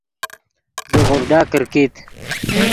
زیغوڤڈا کرکیت